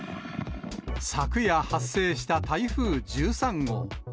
昨夜発生した台風１３号。